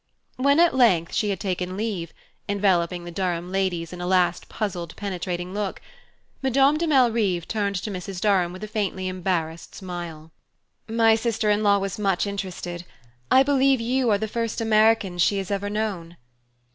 When at length she had taken leave enveloping the Durham ladies in a last puzzled penetrating look Madame de Malrive turned to Mrs. Durham with a faintly embarrassed smile. "My sister in law was much interested; I believe you are the first Americans she has ever known."